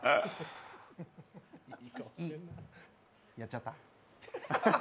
「い」、やっちゃった？